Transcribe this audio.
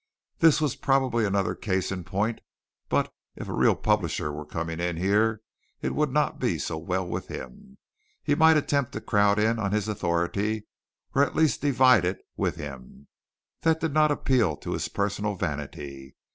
This was probably another case in point, but if a real publisher were coming in here it would not be so well with him. He might attempt to crowd in on his authority or at least divide it with him. That did not appeal to his personal vanity.